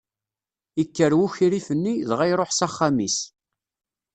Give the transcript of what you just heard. Ikker wukrif-nni, dɣa iṛuḥ s axxam-is.